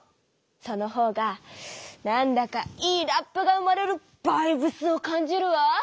そのほうがなんだかいいラップが生まれるバイブスを感じるわ！